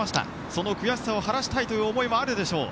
その悔しさを晴らしたいという思いもあるでしょう。